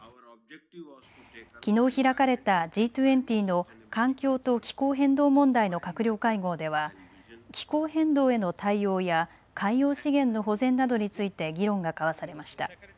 きのう開かれたＧ２０の環境と気候変動問題の閣僚会合では気候変動への対応や海洋資源の保全などについて議論が交わされました。